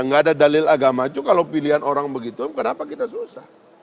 nggak ada dalil agama itu kalau pilihan orang begitu kenapa kita susah